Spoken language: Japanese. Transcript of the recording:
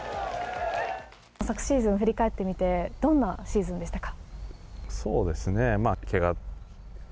昨シーズン振り返ってみてどんなシーズンでしたか。